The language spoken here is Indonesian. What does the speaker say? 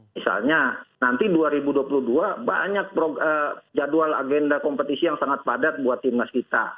misalnya nanti dua ribu dua puluh dua banyak jadwal agenda kompetisi yang sangat padat buat timnas kita